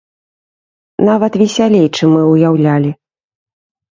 Нават весялей, чым мы ўяўлялі.